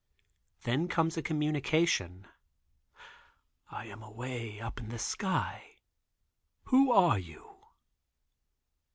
Then comes a communication: "I am away up in the sky. Who are you?"